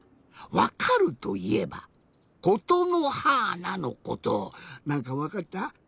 わかるといえば「ことのはーな」のことなんかわかった？